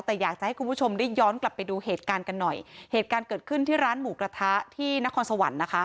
แต่อยากจะให้คุณผู้ชมได้ย้อนกลับไปดูเหตุการณ์กันหน่อยเหตุการณ์เกิดขึ้นที่ร้านหมูกระทะที่นครสวรรค์นะคะ